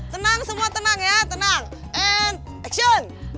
senang semua tenang ya tenang and action